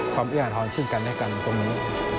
ความเยื่อมอาธรณ์สิ้นกันเลยกันตรงนี้